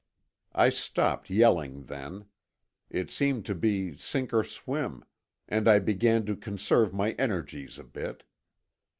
I stopped yelling then; it seemed to be sink or swim, and I began to conserve my energies a bit.